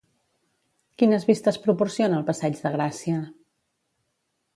Quines vistes proporciona el passeig de Gràcia?